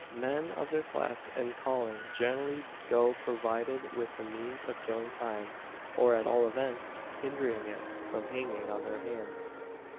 Men of their class and calling generally go provided with the means of killing time, or, at all events, hindering it from hanging on their hands.